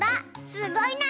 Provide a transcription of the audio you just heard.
すごいな！